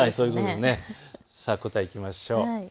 答えいきましょう。